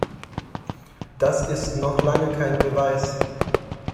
Das ist noch lange kein Beweis.